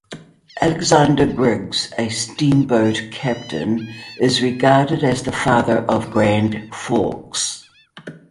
Alexander Griggs, a steamboat captain, is regarded as "The Father of Grand Forks".